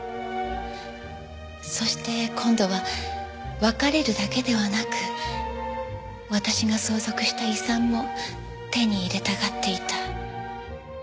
そして今度は別れるだけではなく私が相続した遺産も手に入れたがっていた。